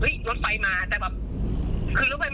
คือหมดสติพอดีเลยค่ะตัวที่แบบจะขึ้นจะข้าม